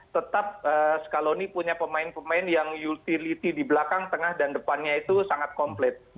tetap scaloni punya pemain pemain yang utility di belakang tengah dan depannya itu sangat komplit